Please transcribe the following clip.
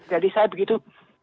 jadi saya begitu